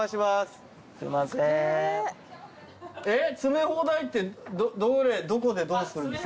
えっ詰め放題ってどこでどうするんですか？